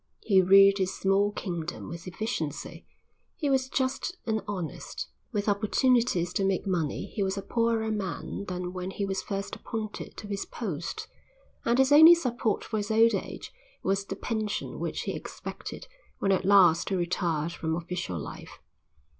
He ruled his small kingdom with efficiency. He was just and honest. With opportunities to make money he was a poorer man than when he was first appointed to his post, and his only support for his old age was the pension which he expected when at last he retired from official life.